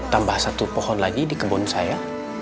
tambah satu pohon lagi di kebun saya